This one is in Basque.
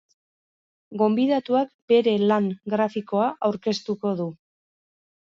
Gonbidatuak bere lan grafikoa aurkeztuko du.